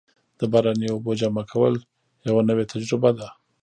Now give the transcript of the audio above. د باراني اوبو جمع کول یوه نوې تجربه ده.